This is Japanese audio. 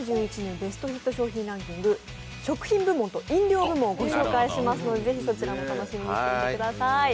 ベストヒット商品ランキング、食品部門と飲料部門を御紹介しますのでぜひ、そちらも楽しみにしてください。